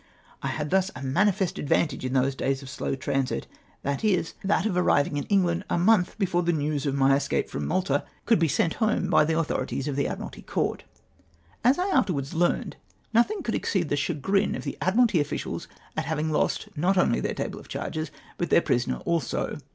I had thus a manifest advantage in those days of slow transit, viz. that of arrivuig in N 2 180 ARRIVAL IN EXGLAXD. England ci nioiitli before news of my escape from Malta could be sent home by the authorities of the Admiralty Court, As I afterwards learned, nothing could exceed the chagrin of the Admiralty officials at having lost, not only theh' table of charges, but their prisoner also.